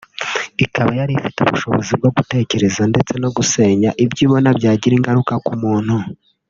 ikaba yari ifite ubushobozi bwo gutekereza ndetse no gusenya ibyo ibona byagira ingaruka ku muntu